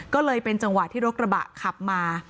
ก็เลยเป็นจังหวะที่รถกระบะขับมา